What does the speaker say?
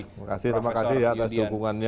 terima kasih terima kasih atas dukungannya